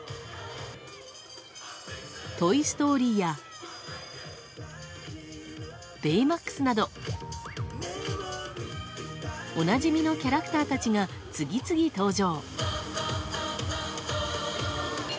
「トイ・ストーリー」や「ベイマックス」などおなじみのキャラクターたちが次々登場。